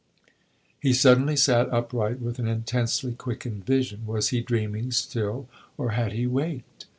He suddenly sat upright, with an intensely quickened vision. Was he dreaming still, or had he waked?